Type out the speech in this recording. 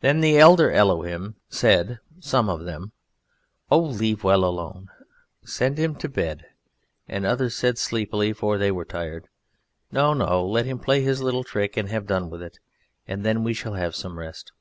Then the Elder Elohim said, some of them, "Oh, leave well alone! send him to bed!" And others said sleepily (for they were tired), "No! no! let him play his little trick and have done with it, and then we shall have some rest."